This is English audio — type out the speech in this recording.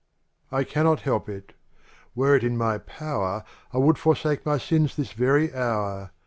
CANNOT help it. Were it in my power, I would forsake my sins this very hour.